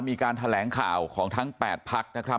มีการแถลงข่าวของทั้ง๘พักนะครับ